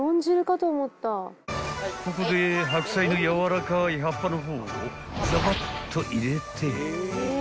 ［ここで白菜のやわらかい葉っぱの方をザバッと入れて］